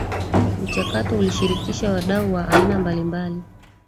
Mchakato ulishirikisha wadau wa aina mbalimbali